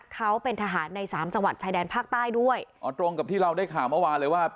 เขาเป็นทหารในสามจังหวัดชายแดนภาคใต้ด้วยอ๋อตรงกับที่เราได้ข่าวเมื่อวานเลยว่า